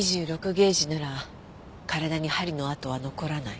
ゲージなら体に針の痕は残らない。